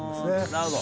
なるほど。